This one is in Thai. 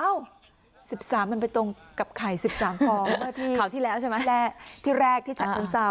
อ้าว๑๓มันไปตรงกับไข่๑๓ฟองเมื่อที่แรกที่ฉันเศร้า